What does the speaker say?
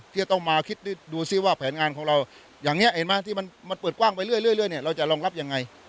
ที่จะต้องมาคิดดูซิว่าแผนงานของเราอย่างนี้เห็นไหมที่มันเปิดกว้างไปเรื่อยเนี่ยเราจะรองรับยังไง